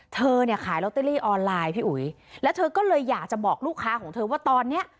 เธอเนี่ยขายลอตเตอรี่ออนไลน์พี่อุ๋ยแล้วเธอก็เลยอยากจะบอกลูกค้าของเธอว่าตอนเนี้ย